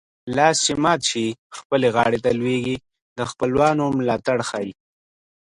لاس چې مات شي خپلې غاړې ته لوېږي د خپلوانو ملاتړ ښيي